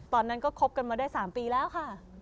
ตอนนั้นก็คบกันมาได้๓ปีแล้วค่ะ